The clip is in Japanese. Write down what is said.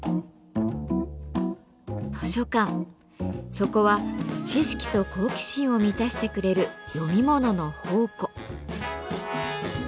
そこは知識と好奇心を満たしてくれる読み物の宝庫。